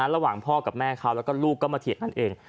ระหว่างพ่อกับแม่เขาแล้วก็ลูกก็มาเถียงกันเอง